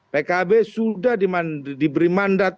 pkb sudah diberi mandat